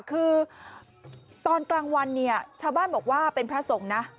คือตอนกลางวันเนี่ยชาวบ้านบอกว่าเป็นพระสงฆ์นะ